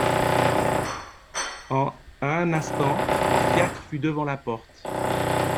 En un instant, un fiacre fut devant la porte.